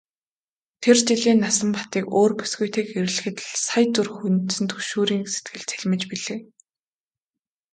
Тэр жилээ Насанбатыг өөр бүсгүйтэй гэрлэхэд л сая зүрх хөндсөн түгшүүрээс сэтгэл цэлмэж билээ.